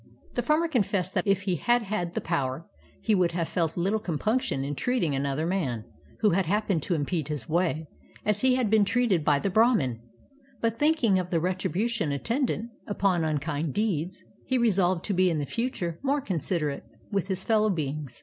The farmer confessed that if he had had the power, he would have felt little compunction in treating another man, who had happened to impede his way, as he had been treated by the Brahman, but thinking of the retribution attendant upon unkind deeds, he resolved to be in the future more considerate with his fellow beings.